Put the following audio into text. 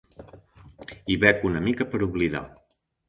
I bec una mica per oblidar.